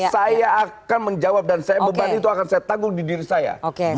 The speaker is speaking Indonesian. saya akan menjawab dan saya beban itu akan saya tanggung di diri saya